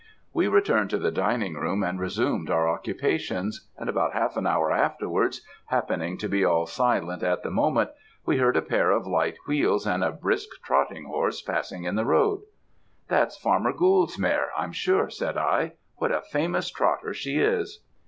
"We returned to the drawing room, and resumed our occupations; and about half an hour afterwards happening to be all silent at the moment, we heard a pair of light wheels and a brisk trotting horse passing in the road. "'That's farmer Gould's mare, I'm sure,' said I. 'What a famous trotter she is!'